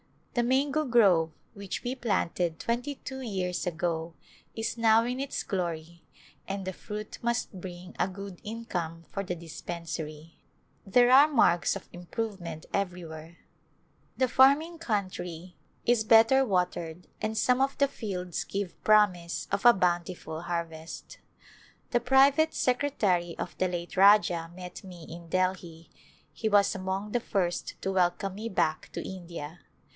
The mango grove which we planted twenty two years ago is now in its glory and the fruit must bring a good income for the dispensary. There are marks of im provement everywhere. The farming country is bet A Glimpse of India ter watered and some of the fields give promise of a bountiful harvest. The private secretary of the late Rajah met me in Delhi ; he was among the first to welcome me back to India.